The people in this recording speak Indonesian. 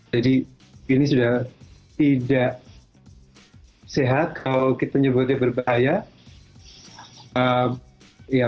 jadi ini sudah tidak sehat kalau kita menyebutnya berbahaya